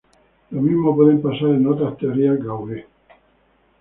Lo mismo puede pasar en otras teorías gauge.